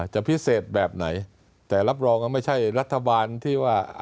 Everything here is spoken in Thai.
จะพิเศษแบบไหนแต่รับรองว่าไม่ใช่รัฐบาลที่ว่า